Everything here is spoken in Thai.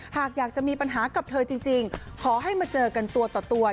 หากอยากจะมีปัญหากับเธอจริงขอให้มาเจอกันตัวต่อตัว